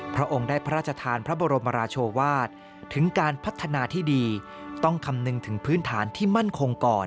พระองค์ได้พระราชทานพระบรมราชวาสถึงการพัฒนาที่ดีต้องคำนึงถึงพื้นฐานที่มั่นคงก่อน